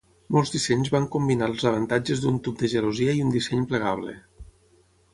Molts dissenys van combinar els avantatges d'un tub de gelosia i un disseny plegable.